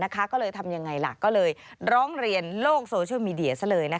ก็เลยทำยังไงล่ะก็เลยร้องเรียนโลกโซเชียลมีเดียซะเลย